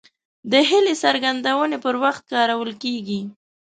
د هیلې څرګندونې پر وخت کارول کیږي.